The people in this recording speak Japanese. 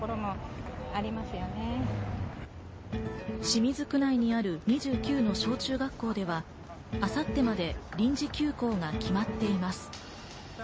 清水区内にある２９の小中学校では、明後日まで臨時休校が決まっています。